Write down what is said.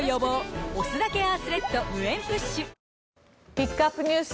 ピックアップＮＥＷＳ